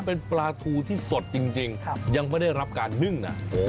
เป็นปลาทูที่สดจริงยังไม่ได้รับการนึ่งนะ